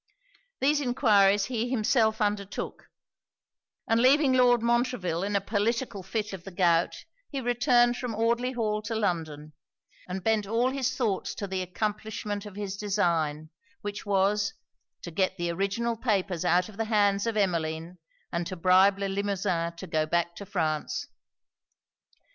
These enquiries he himself undertook; and leaving Lord Montreville in a political fit of the gout, he returned from Audley Hall to London, and bent all his thoughts to the accomplishment of his design; which was, to get the original papers out of the hands of Emmeline, and to bribe Le Limosin to go back to France.